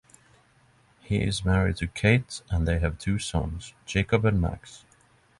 He is married to Kate and they have two sons, Jacob and Max.